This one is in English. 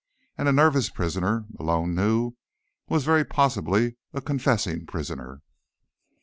And a nervous prisoner, Malone knew, was very possibly a confessing prisoner.